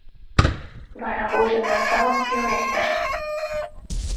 Вара вуйжым нӧлталын пелештыш: